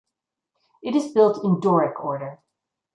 It is built in Doric order.